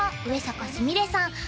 上坂すみれさん